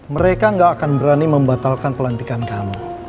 mereka gak akan berani membatalkan pelantikan kamu